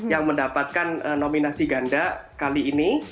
yang mendapatkan nominasi ganda kali ini